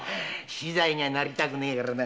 死罪にゃなりたくねえからな。